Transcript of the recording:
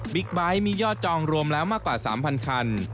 ไบท์มียอดจองรวมแล้วมากกว่า๓๐๐คัน